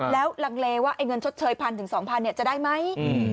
แล้วหลังเลว่าเงินชดเชย๑๐๐๐๒๐๐๐จะได้ไหม